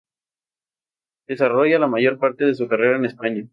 Desarrolló la mayor parte de su carrera en España.